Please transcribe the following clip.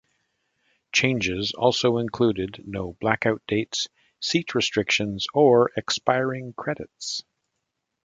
Changes also included no blackout dates, seat restrictions or expiring credits.